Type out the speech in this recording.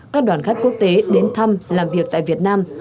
các đoàn khách quốc tế đến thăm làm việc tại việt nam